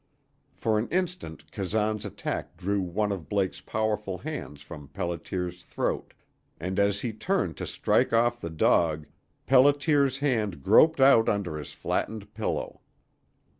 For an instant Kazan's attack drew one of Blake's powerful hands from Pelliter's throat, and as he turned to strike off the dog Pelliter's hand groped out under his flattened pillow.